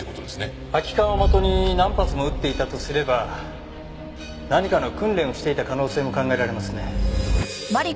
空き缶を的に何発も撃っていたとすれば何かの訓練をしていた可能性も考えられますね。